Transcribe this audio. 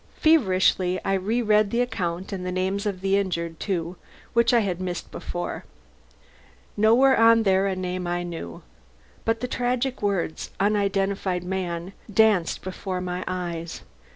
Feverishly I re read the account, and the names of the injured, too, which I had missed before. Nowhere was there a name I knew. But the tragic words "unidentified man" danced before my eyes.